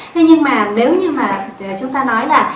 thế nhưng mà nếu như mà chúng ta nói là